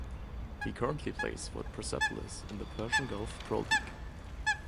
He currently plays for Persepolis in the Persian Gulf Pro League.